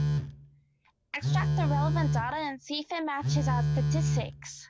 Extract the relevant data and see if it matches our statistics.